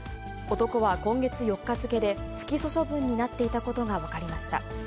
男は今月４日付で、不起訴処分になっていたことが分かりました。